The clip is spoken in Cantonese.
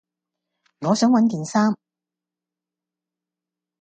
我想搵件衫